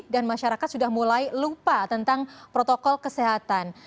dan masyarakat sudah mulai lupa tentang protokol kesehatan